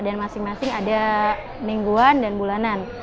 dan masing masing ada mingguan dan bulanan